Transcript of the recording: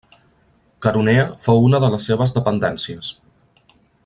Queronea fou una de les seves dependències.